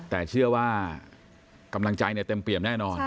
แต่เชื่อว่ากำลังใจเต็มเปี่ยมแน่นอน